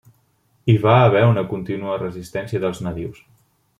Hi va haver una contínua resistència dels nadius.